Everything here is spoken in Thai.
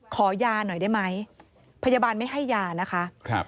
ขอยาหน่อยได้ไหมพยาบาลไม่ให้ยานะคะ